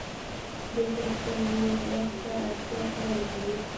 بلکې خپل لوری د وخت له اړتيا سره بدلوي.